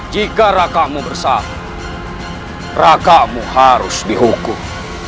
jika raka mu bersama raka mu harus dihukum